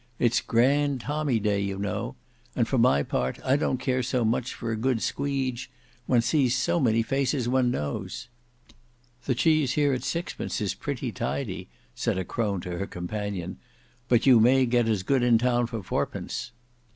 It's grand tommy day you know. And for my part I don't care so much for a good squeedge; one sees so many faces one knows." "The cheese here at sixpence is pretty tidy," said a crone to her companion; "but you may get as good in town for fourpence."